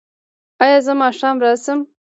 ایا زه ماښام راشم؟